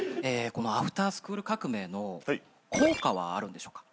『アフタースクール革命！』の校歌はあるんでしょうか？